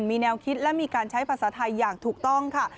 มีแนวคิดและมีการใช้ภาษาไทยอย่างถูกต้องค่ะ